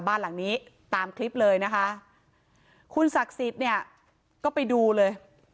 บ้านหลังนี้ตามคลิปเลยนะคะคุณศักดิ์สิทธิ์เนี่ยก็ไปดูเลย